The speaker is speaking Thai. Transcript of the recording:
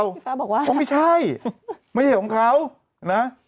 พี่ฟ้าบอกว่าเขาไม่ใช่ไม่ใช่ของเขานะ